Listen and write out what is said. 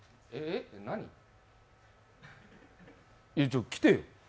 ちょっと来てよ！